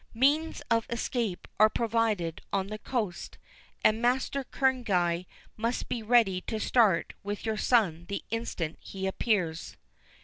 Means of escape are provided on the coast, and Master Kerneguy must be ready to start with your son the instant he appears."